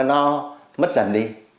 nó mất dần đi